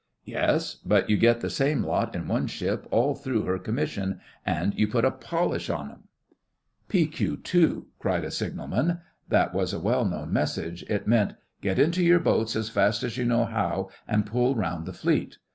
'Yes; but you get the same lot in one ship all through her commission, and you put a polish on 'em.' 'P.Q. 2,' cried a signalman. That was a well known message. It meant: 'Get into your boats as fast as you know how and pull round the Fleet.